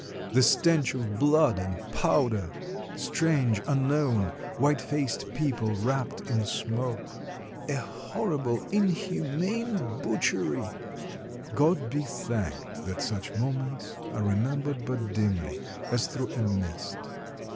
... the stench of blood and powder ... Strange, unknown, white faced people wrapped in smoke ... A horrible, inhuman butchery ... God be thanked that such moments are remembered but dimly, as through a mist!